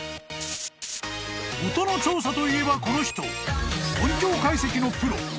［音の調査といえばこの人音響解析のプロ］